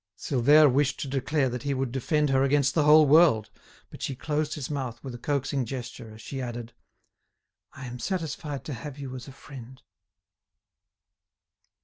Silvère wished to declare that he would defend her against the whole world, but she closed his mouth with a coaxing gesture, as she added: "I am satisfied to have you as a friend."